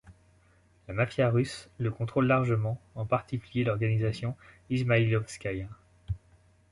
La mafia russe le contrôle largement, en particulier l'organisation Izmaïlovskaïa.